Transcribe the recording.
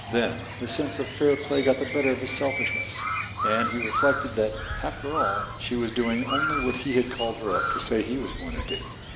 Then his sense of fair play got the better of his selfishness, and he reflected that after all she was doing only what he had called her up to say he was going to do.